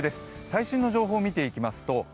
最新の情報を見ていきますと